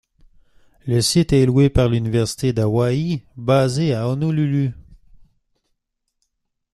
Le site est loué par l'université d'Hawaï basée à Honolulu.